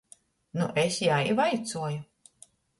Nu es jai i vaicoju.